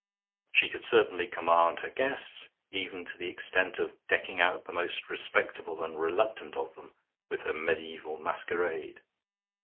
She could certainly command her guests, even to the extent of decking out the most respectable and reluctant of them with her mediaeval masquerade.